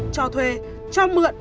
cho thuê cho mượn